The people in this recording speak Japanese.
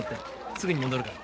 すぐに戻るから。